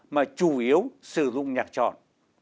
mà chủ yếu sử dụng nhạc tròn